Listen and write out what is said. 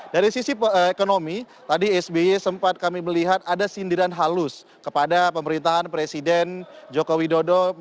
dari sisi ekonomi tadi sby sempat kami melihat ada sindiran halus kepada pemerintahan presiden joko widodo